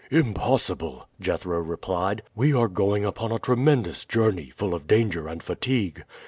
"Impossible!" Jethro replied. "We are going upon a tremendous journey, full of danger and fatigue.